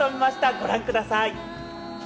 ご覧ください。